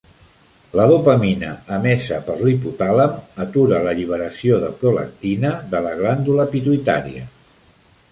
La dopamina, emesa per l'hipotàlem, atura l'alliberació de prolactina de la glàndula pituïtària.